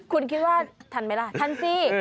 คุณคิดว่าทันไหมล่ะทันสิ